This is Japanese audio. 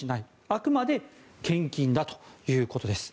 あくまで献金だということです。